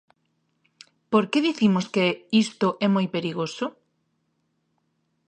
¿Por que dicimos que isto é moi perigoso?